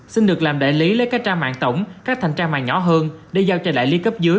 xin được làm đại lý lấy các trang mạng tổng các thành trang mạng nhỏ hơn để giao cho đại lý cấp dưới